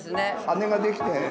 羽ができて。